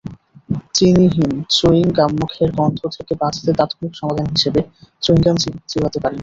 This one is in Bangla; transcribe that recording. চিনিহীন চুইং গামমুখের গন্ধ থেকে বাঁচতে তাৎক্ষণিক সমাধান হিসেবে চুইং গাম চিবাতে পারেন।